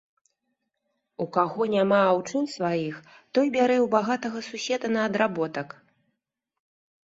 У каго няма аўчын сваіх, той бярэ ў багатага суседа на адработак.